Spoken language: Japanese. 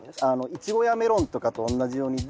イチゴやメロンとかと同じようにへえ。